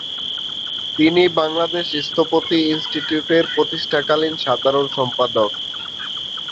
তিনি বাংলাদেশ স্থপতি ইনস্টিটিউটের প্রতিষ্ঠাকালীন সাধারণ সম্পাদক।